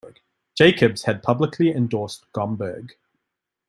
Jacobs had publicly endorsed Gomberg.